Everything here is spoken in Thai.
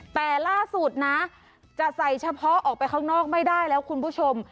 แต่ล่าสุดนะจะใส่เฉพาะออกไปข้างนอกไม่ได้แล้วคุณผู้ชม